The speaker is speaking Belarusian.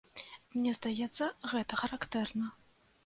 Мне здаецца, гэта характэрна.